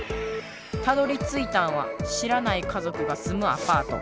たどりついたんは知らない家ぞくがすむアパート。